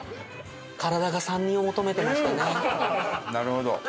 なるほど。